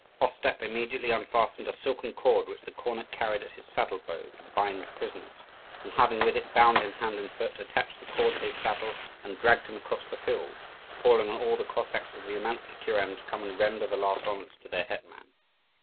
Ostap immediately unfastened a silken cord which the cornet carried at his saddle bow to bind prisoners, and having with it bound him hand and foot, attached the cord to his saddle and dragged him across the field, calling on all the Cossacks of the Oumansky kuren to come and render the last honours to their hetman.